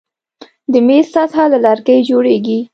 د میز سطحه له لرګي جوړیږي.